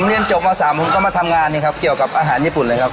ผมเรียนจบมา๓คนก็มาทำงานเกี่ยวกับอาหารญี่ปุ่นเลยครับ